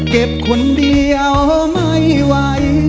เก็บคนเดียวไม่ไหว